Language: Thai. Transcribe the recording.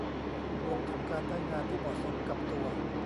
รวมถึงการได้งานที่เหมาะสมกับตัว